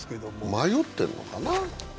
迷ってるのかな。